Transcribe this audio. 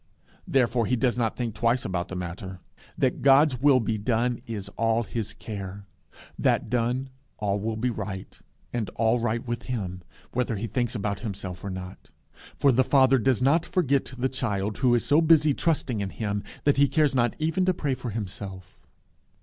Therefore he does not think twice about the matter. That God's will be done is all his care. That done, all will be right, and all right with him, whether he thinks about himself or not. For the Father does not forget the child who is so busy trusting in him, that he cares not even to pray for himself.